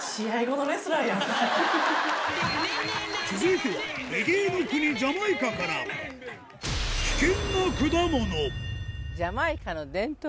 続いてはレゲエの国ジャマイカから嫌！